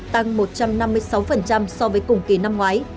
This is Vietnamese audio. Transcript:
tăng một trăm năm mươi sáu so với cùng kỳ năm ngoái